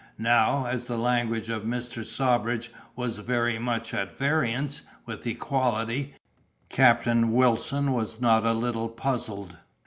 Now, as the language of Mr. Sawbridge was very much at variance with equality, Captain Wilson was not a little puzzled.